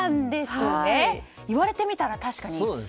言われてみたら確かに。